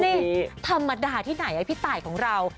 นี่ธรรมดาที่ไหนพี่ตายของเรา